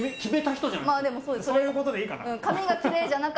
そういうことでいいかな？